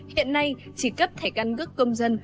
hẹn nay chỉ cấp thẻ căn cước công dân